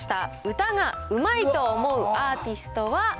歌がうまいと思うアーティストは？